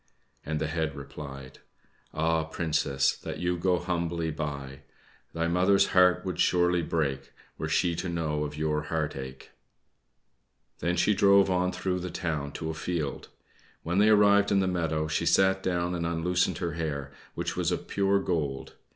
and the head replied: "Ah Princess, that you go humbly by! Thy mother's heart would surely break Were she to know of your heart ache!" Then she drove on through the town to a field. When they arrived in the meadow, she sat down and unloosened her hair, which was of pure gold.